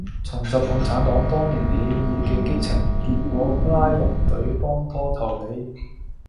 重拾共產黨當年起義既激情，結果拉人隊幫拖投你